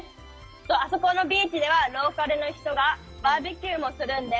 あそこのビーチでは、ローカルの人がバーベキューもするんです。